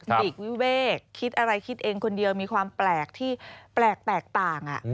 เด็กวิเวกคิดอะไรคิดเองคนเดียวมีความแปลกที่แปลกแตกต่าง